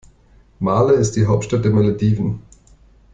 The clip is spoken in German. Malé ist die Hauptstadt der Malediven.